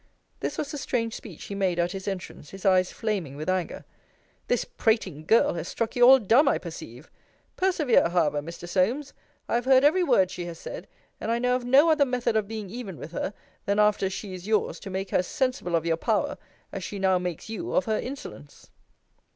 This was the strange speech he made at his entrance, his eyes flaming with anger; This prating girl, has struck you all dumb, I perceive. Persevere, however, Mr. Solmes. I have heard every word she has said: and I know of no other method of being even with her, than after she is yours, to make her as sensible of your power, as she now makes you of her insolence.